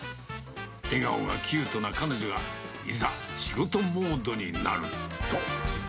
笑顔がキュートな彼女が、いざ、仕事モードになると。